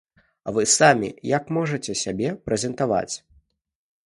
А вы самі як можаце сябе прэзентаваць?